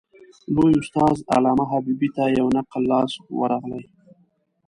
لوی استاد علامه حبیبي ته یو نقل لاس ورغلی.